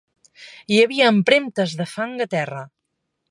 Hi havia empremtes de fang a terra.